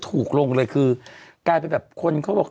ศูนย์อุตุนิยมวิทยาภาคใต้ฝั่งตะวันอ่อค่ะ